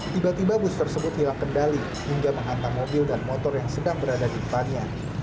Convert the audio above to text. tiba tiba bus tersebut hilang kendali hingga menghantam mobil dan motor yang sedang berada di depannya